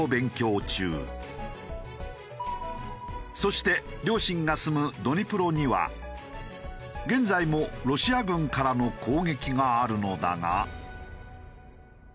そして両親が住むドニプロには現在もロシア軍からの攻撃があるのだが。